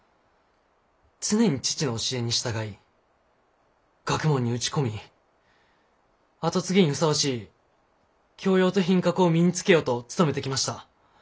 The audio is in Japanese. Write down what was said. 常に父の教えに従い学問に打ち込み後継ぎにふさわしい教養と品格を身につけようと努めてきました。